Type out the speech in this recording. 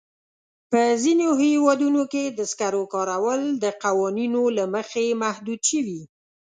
په ځینو هېوادونو کې د سکرو کارول د قوانینو له مخې محدود شوي.